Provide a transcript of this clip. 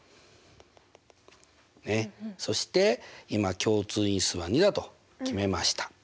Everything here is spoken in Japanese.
そして今共通因数は２だと決めました。